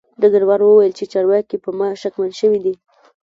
ډګروال وویل چې چارواکي په ما شکمن شوي دي